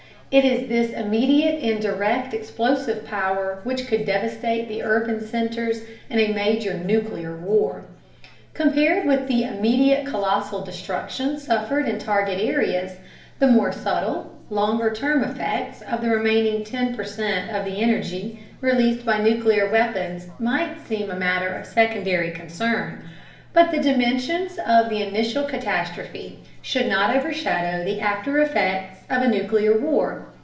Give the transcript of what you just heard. It is this immediate and direct explosive power which could devastate the urban centers in a major nuclear war. Compared with the immediate colossal destruction suffered in target areas, the more subtle, longer term effects of the remaining 10 percent of the energy released by nuclear weapons might seem a matter of secondary concern. But the dimensions of the initial catastrophe should not overshadow the after effects of a nuclear war.